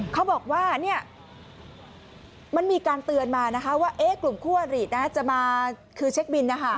เขาบอกว่ามันมีการเตือนมาว่ากลุ่มครัวหรี่จะมาเช็คบิน